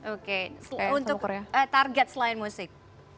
oke untuk target selain musik